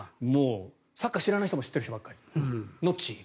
サッカーを知らない人でも知っている人ばかりのチーム。